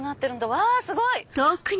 うわすごい！